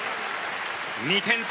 ２点差。